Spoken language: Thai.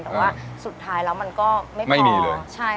แต่ว่าสุดท้ายแล้วมันก็ไม่ค่อยดีเลย